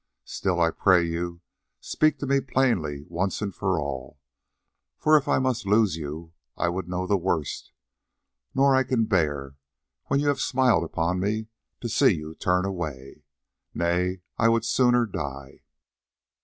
Still I pray you, speak to me plainly once and for all, for if I must lose you I would know the worst; nor can I bear, when you have smiled upon me, to see you turn away. Nay, I would sooner die."